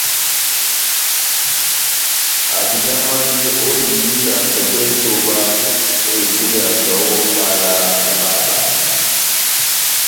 Ahavinamandi ó ehiyi na sɔjɛ nʼtoba ó ipúmeya kaho ó Mʼpala na bahabanɛ.